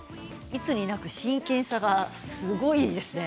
いつになく真剣さがすごいですね。